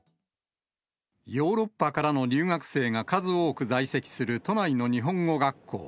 ヨーロッパからの留学生が数多く在籍する都内の日本語学校。